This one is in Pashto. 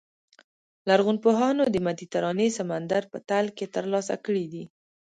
لرغونپوهانو د مدیترانې سمندر په تل کې ترلاسه کړي دي.